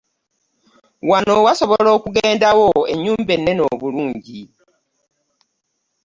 Wano wasobola okugenda wo ennyumba enene obulungi.